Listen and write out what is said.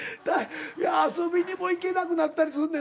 遊びにも行けなくなったりすんねん。